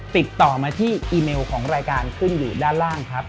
ติดต่อมาที่อีเมลของรายการขึ้นอยู่ด้านล่างครับ